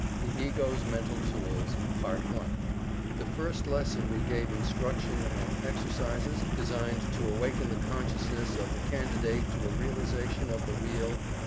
THE EGO'S MENTAL TOOLS. In the First Lesson we gave instruction and exercises designed to awaken the consciousness of the Candidate to a realization of the real "I."